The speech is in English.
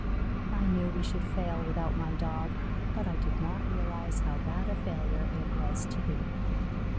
I knew we should fail without my Dog, but I did not realize how bad a failure it was to be.